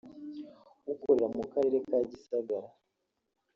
ukorera mu karere ka Gisagara